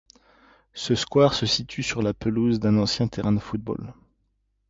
Ce square se situe sur la pelouse d'un ancien terrain de football.